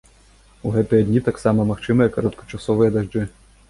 У гэтыя дні таксама магчымыя кароткачасовыя дажджы.